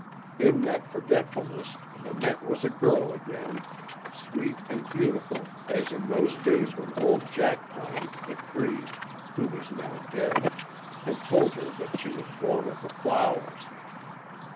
In that forgetfulness Nanette was a girl again, sweet and beautiful as in those days when old Jackpine, the Cree who was now dead had told her that she was born of the flowers.